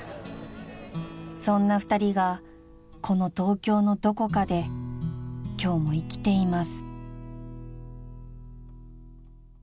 ［そんな２人がこの東京のどこかで今日も生きています］